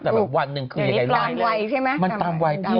ตอนนั้นอายุ๒๐อ่ะ